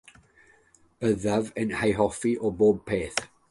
Byddaf yn ei hoffi o bob peth.